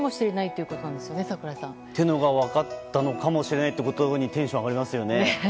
というのが分かったかもしれないということにテンション上がりますよね。